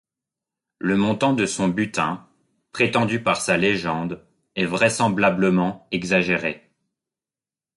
Le montant de son butin prétendu par sa légende est vraisemblablement exagéré.